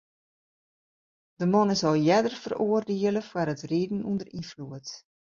De man is al earder feroardiele foar it riden ûnder ynfloed.